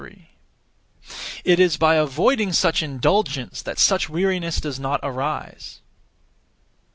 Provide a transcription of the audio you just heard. It is by avoiding such indulgence that such weariness does not arise.